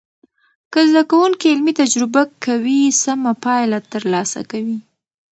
که زده کوونکي علمي تجربه کوي، سمه پایله تر لاسه کوي.